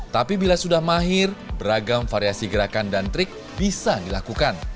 tapi bila sudah mahir beragam variasi gerakan dan trik bisa dilakukan